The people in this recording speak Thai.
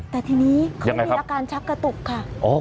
แต่ทีนี้เขามีอาการชักกระตุกค่ะ